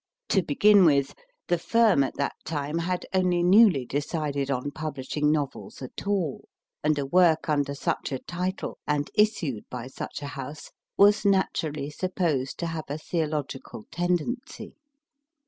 To begin with, the firm at that time had only newly decided on publishing novels at all, and a work under such a title, and issued by such a house, was naturally supposed to have a theological tendency.